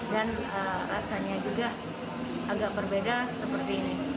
dan rasanya juga agak berbeda seperti ini